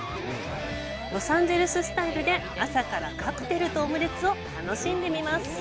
ロサンゼルススタイルで朝からカクテルとオムレツを楽しんでみます。